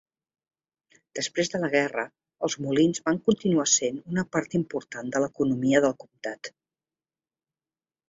Després de la guerra, els molins van continuar sent una part important de l'economia del comtat.